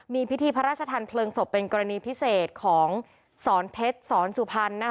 มีพิธีพระราชทานเพลิงศพเป็นกรณีพิเศษของสอนเพชรสอนสุพรรณ